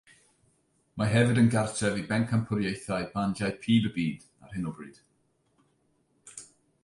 Mae hefyd yn gartref i bencampwriaethau bandiau pib y byd ar hyn o bryd.